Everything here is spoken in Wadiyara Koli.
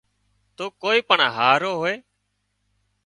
تو ڪوئي پڻ هاهرو هوئي